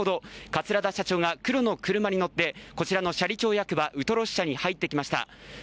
桂田社長が黒の車に乗ってこちらの斜里町役場ウトロ支所に入ってきました。